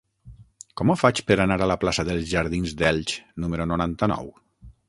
Com ho faig per anar a la plaça dels Jardins d'Elx número noranta-nou?